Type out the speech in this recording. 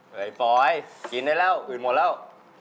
เฮ้ยปอยกินได้แล้วอื่นหมดแล้ว